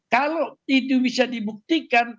kalau itu bisa dibuktikan